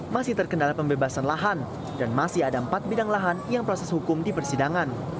masih terkendala pembebasan lahan dan masih ada empat bidang lahan yang proses hukum di persidangan